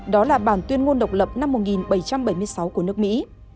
đó là bản tuyên ngôn độc lập năm một nghìn bảy trăm bảy mươi sáu của nước mỹ